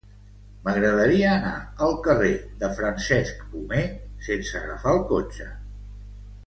M'agradaria anar al carrer de Francisco Manzano sense agafar el cotxe.